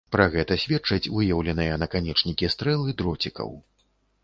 Пра гэта сведчаць выяўленыя наканечнікі стрэл і дроцікаў.